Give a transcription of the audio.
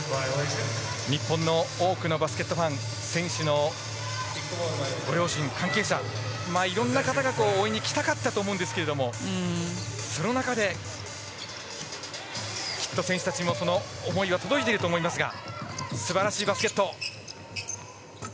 日本の多くのバスケットファン選手のご両親関係者、いろんな方が応援に来たかったと思うんですがその中で、きっと選手たちにもその思いは届いていると思いますが素晴らしいバスケット。